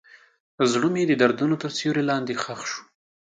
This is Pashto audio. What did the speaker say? زړه مې د دردونو تر سیوري لاندې ښخ شو.